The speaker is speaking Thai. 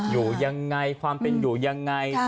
อยู่ยังไงความเป็นอยู่ยังไง